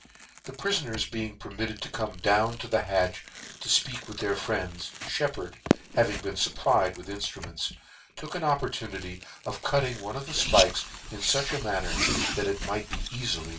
The priibners being per mitted to come down to the harch to (peak with their friends, Sheppard, having been fupplied with inftruments, took an opportunity of cutting one of thefpikes in fuch a manner that it might be cafily